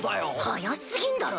速すぎんだろ。